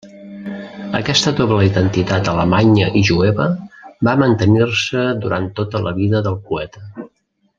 Aquesta doble identitat alemanya i jueva va mantenir-se durant tota la vida del poeta.